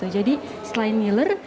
jadi selain ngiler